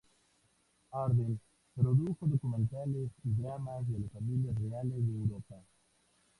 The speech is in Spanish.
Ardent produjo documentales y dramas de las familias reales de Europa.